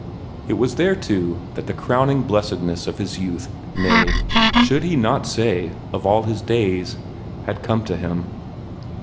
It was there too that the crowning blessedness of his youth nay, should he not say of all his days? had come to him.